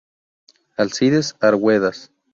Alcides Arguedas.